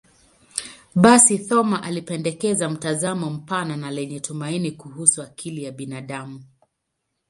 Basi, Thoma alipendekeza mtazamo mpana na lenye tumaini kuhusu akili ya binadamu.